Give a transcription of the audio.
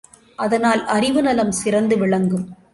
அதனால் அறிவு நலம் சிறந்து விளங்கும்.